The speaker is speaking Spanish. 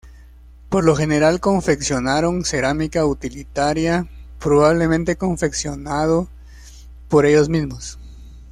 Por lo general confeccionaron cerámica utilitaria, probablemente confeccionado por ellos mismos.